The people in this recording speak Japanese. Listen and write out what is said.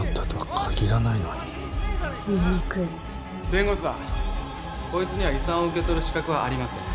弁護士さんこいつには遺産を受け取る資格はありません。